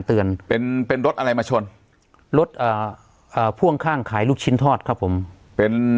เตือนเป็นเป็นรถอะไรมาชนรถอ่าอ่าพ่วงข้างขายลูกชิ้นทอดครับผมเป็น